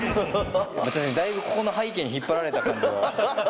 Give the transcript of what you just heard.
だいぶ、ここの背景に引っ張られた感じは。